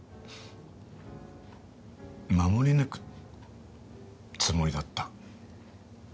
守り抜くつもりだった。